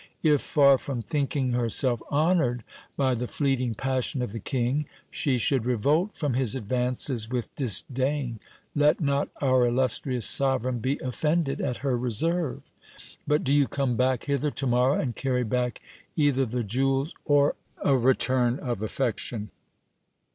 If, far from thinking herself honoured by the fleeting passion of the king, she should revolt from his advances with disdain, let not our illustrious sovereign be offended at her reserve. But do you come back hither to morrow, and carry back either the jewels, or a return of affection.